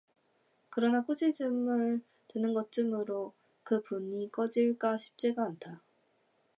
그러나 꾸지람을 듣는 것쯤으로 그 분이 꺼질까 싶지가 않다.